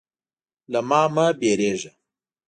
_له ما مه وېرېږه.